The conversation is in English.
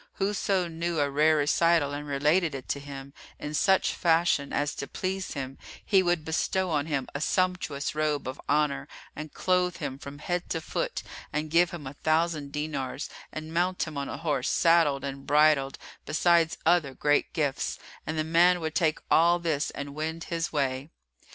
Whoso knew a rare recital and related it to him in such fashion as to please him he would bestow on him a sumptuous robe of honour and clothe him from head to foot and give him a thousand dinars, and mount him on a horse saddled and bridled besides other great gifts; and the man would take all this and wend his way.